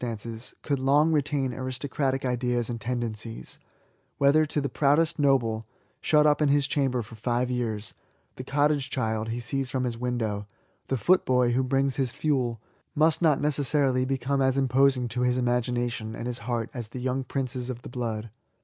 stances^ could long retain aristocratic ideas and tendencies; whether to the proudest noble, shut up in his chamber for five years^ the cottage child he sees from his window, the footboy who brings his fiiel^ must not necessarily become as imposing to his imagination and his heart as the young princes of the blood.